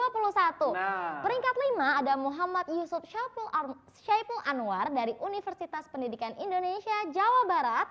peringkat lima ada muhammad yusuf syaipul anwar dari universitas pendidikan indonesia jawa barat